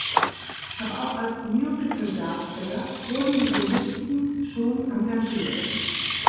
Aber auch als Musical Darsteller wurden die Solisten schon engagiert.